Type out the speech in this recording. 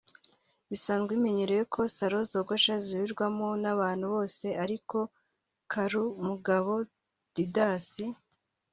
Bisanzwe bimenyerewe ko Salo zogosha zihurirwamo n’abantu bose ariko Karumugabo Didas